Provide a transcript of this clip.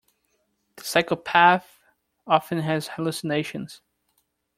The psychopath often has hallucinations.